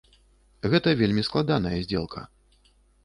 Гэта вельмі складаная здзелка.